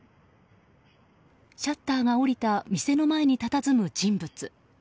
シャッターが下りた店の前にたたずむ人物。